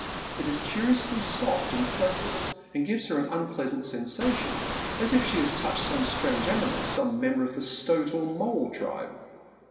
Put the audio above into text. It is curiously soft and flaccid, and gives her an unpleasant eensation, as "if she had touched some strange animal, some member of the stoat or mole tribe.